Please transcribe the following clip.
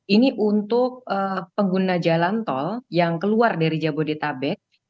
ini untuk pengguna jalan tol yang keluar dari jabodetabek